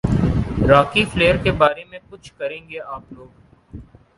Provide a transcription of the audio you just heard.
راکی Flair کے بارے میں کچھ کریں گے آپ لوگ